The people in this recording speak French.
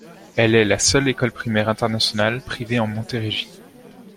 Elle est la seule école primaire internationale privée en Montérégie.